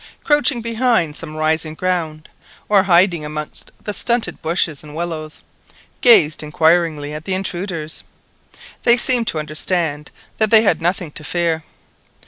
crouching behind some rising ground, or hiding amongst the stunted bushes and willows, gazed inquiringly at the intruders. They seemed to understand that they had nothing to fear.